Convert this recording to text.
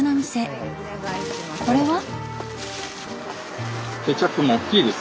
これは？